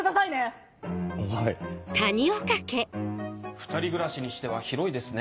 ２人暮らしにしては広いですね。